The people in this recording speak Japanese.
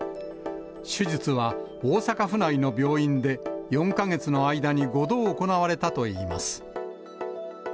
手術は大阪府内の病院で、４か月の間に５度行われたといいます。